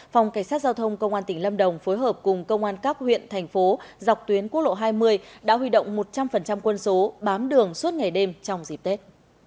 phòng cảnh sát giao thông công an tỉnh lâm đồng phối hợp cùng công an các huyện thành phố dọc tuyến quốc lộ hai mươi đã huy động một trăm linh quân số bám đường suốt ngày đêm trong dịp tết